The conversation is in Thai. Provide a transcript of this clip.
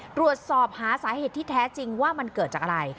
ตรวจสอบหาสาเหตุที่แท้จริงว่ามันเกิดจากอะไร